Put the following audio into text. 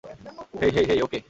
হেই, hey, hey, ওকে!